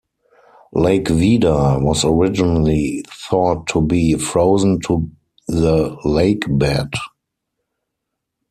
Lake Vida was originally thought to be frozen to the lakebed.